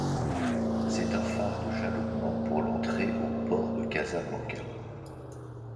C'est un phare de jalonnement pour l'entrée au port de Casablanca.